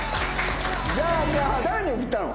じゃあじゃあ誰に送ったの？